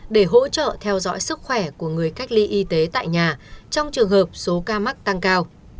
để hỗ trợ theo dõi sức khỏe của người cách ly y tế tại nhà trong trường hợp số ca mắc tăng cao